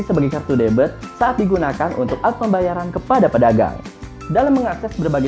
sebagai kartu debit saat digunakan untuk alat pembayaran kepada pedagang dalam mengakses berbagai